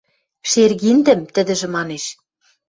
– Шергиндӹм... – тӹдӹжӹ манеш.